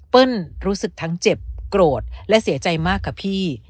รู้สึกทั้งเจ็บโกรธและเสียใจมากค่ะพี่